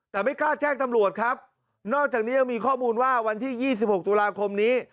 แต่ไม่กล้าแจ้งตำรวจครับนอกจากนี้ยังมีข้อมูลว่าวันที่๒๖ตุลาคมนี้